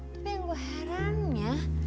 tapi yang gue herannya